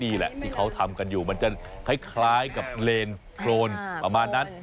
นี่แหละที่เขาทำกันอยู่มันจะคล้ายกับเลนโครนประมาณนั้น